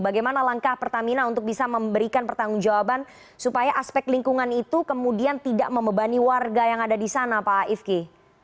bagaimana langkah pertamina untuk bisa memberikan pertanggung jawaban supaya aspek lingkungan itu kemudian tidak membebani warga yang ada di sana pak ifki